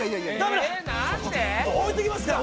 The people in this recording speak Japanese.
置いてきますから。